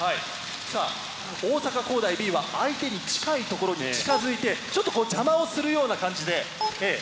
さあ大阪公大Ｂは相手に近い所に近づいてちょっとこう邪魔をするような感じで。